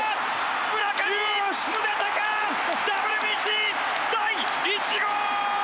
村上宗隆ＷＢＣ第１号！